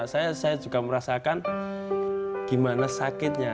saya juga merasakan gimana sakitnya